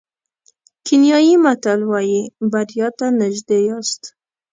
کینیايي متل وایي بریا ته نژدې یاست.